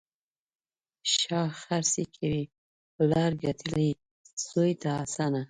شا خرڅي کوي: پلار ګټلي، زوی ته اسانه.